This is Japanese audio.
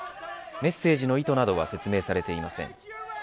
メッセージの意図などは説明されていません。